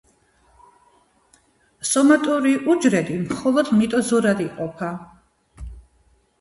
სომატური უჯრედი მხოლოდ მიტოზურად იყოფა.